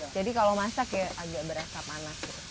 jadi kalau masak ya agak berasa panas